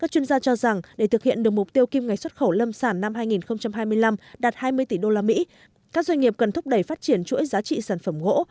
các chuyên gia cho rằng để thực hiện được mục tiêu kim ngạch xuất khẩu lâm sản năm hai nghìn hai mươi năm đạt hai mươi tỷ usd các doanh nghiệp cần thúc đẩy phát triển chuỗi giá trị sản phẩm gỗ